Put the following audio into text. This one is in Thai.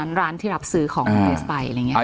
ร้านที่รับซื้อของเกรสไปอะไรอย่างนี้